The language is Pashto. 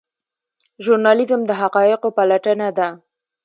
ژورنالیزم د حقایقو پلټنه ده